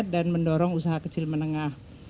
dan mendorong usaha kecil menengah